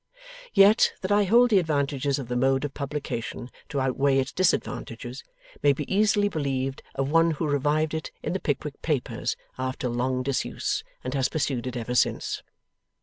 Yet, that I hold the advantages of the mode of publication to outweigh its disadvantages, may be easily believed of one who revived it in the Pickwick Papers after long disuse, and has pursued it ever since.